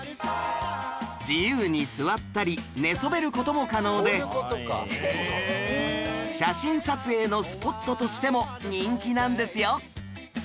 自由に座ったり寝そべる事も可能で写真撮影のスポットとしても人気なんですよ